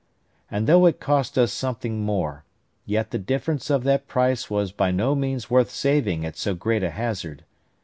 and though it had cost us something more, yet the difference of that price was by no means worth saving at so great a hazard.